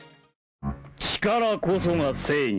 力こそが正義。